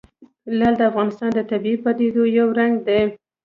لعل د افغانستان د طبیعي پدیدو یو رنګ دی.